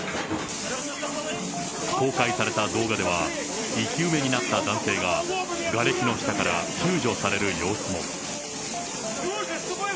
公開された動画では、生き埋めになった男性が、がれきの下から救助される様子も。